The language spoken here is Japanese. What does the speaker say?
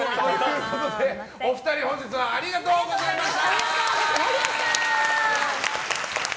お二人、本日はありがとうございました。